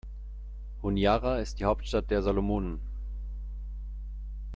Honiara ist die Hauptstadt der Salomonen.